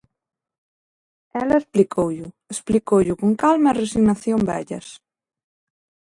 Ela explicoullo, explicoullo con calma e resignación vellas.